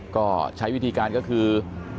ก็ใช้วิธีการก็คือ